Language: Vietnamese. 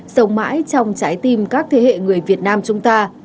sống mãi trong trái tim các thế hệ người việt nam chúng ta